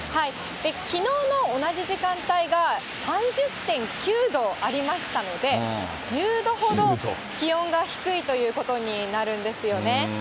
きのうの同じ時間帯が３０．９度ありましたので、１０度ほど気温が低いということになるんですよね。